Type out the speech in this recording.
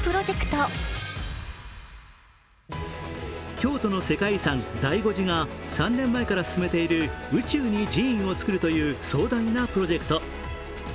京都の世界遺産・醍醐寺が３年前から進めている宇宙に寺院を造るという壮大なプロジェクト。